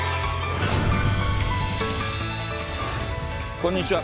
こんにちは。